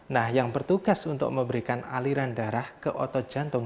nah yang bertugas untuk memberikan aliran darah ke otot jantung